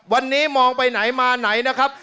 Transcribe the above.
วันนี้มองไปไหนมาไหนนะครับ